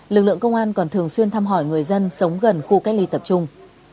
lực lượng công an còn thường xuyên thăm hỏi người dân sống gần khu cách ly tập trung